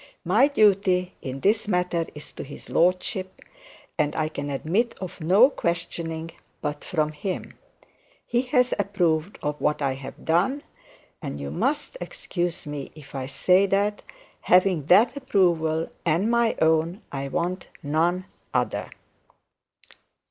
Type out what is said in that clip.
My duty in this matter is to his lordship, and I can admit of no questioning but from him. He has approved of what I have done, and you must excuse me if I say, that having that approval and my own, I want none other.'